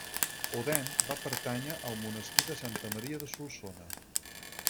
Odèn va pertànyer al monestir de Santa Maria de Solsona.